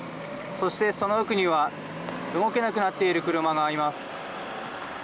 そして、その奥には動けなくなっている車があります。